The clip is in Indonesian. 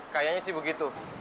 kayanya sih begitu